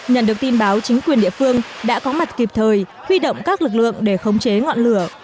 nhận được tin báo chính quyền địa phương đã có mặt kịp thời huy động các lực lượng để khống chế ngọn lửa